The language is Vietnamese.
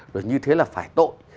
rồi như thế là phải tội